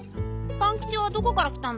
パンキチはどこからきたんだよ。